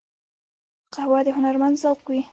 قهوه د هنرمند ذوق وي